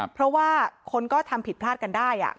เพราะว่าคนก็ทำผิดพลาดกันได้